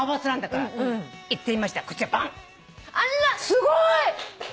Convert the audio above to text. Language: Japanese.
すごい。